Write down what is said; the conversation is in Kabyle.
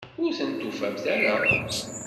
Ur ten-tufamt ara?